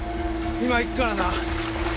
今行くからな。